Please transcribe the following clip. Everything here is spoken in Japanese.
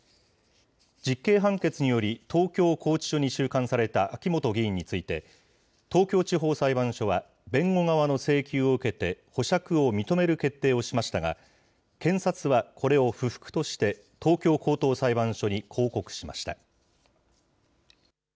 実刑判決により東京拘置所に収監された秋元議員について、東京地方裁判所は、弁護側の請求を受けて保釈を認める決定をしましたが、検察はこれを不服として、東京高等裁判所に抗告しました。